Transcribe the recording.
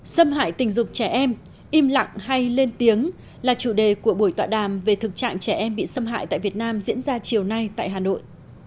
xâm hại tình dục trẻ em im lặng hay lên tiếng là chủ đề của buổi tọa đàm về thực trạng trẻ em bị xâm hại tại việt nam diễn ra chiều nay tại hà nội